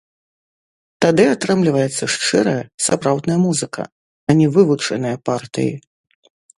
Тады атрымліваецца шчырая сапраўдная музыка, а не вывучаныя партыі.